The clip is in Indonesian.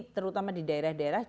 terutama di daerah daerah